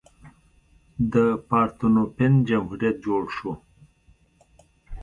د پارتنوپین جمهوریت جوړ شو.